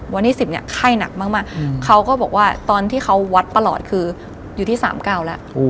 วันที่๑๐เนี่ยไข้หนักมากเขาก็บอกว่าตอนที่เขาวัดตลอดคืออยู่ที่๓๙แล้ว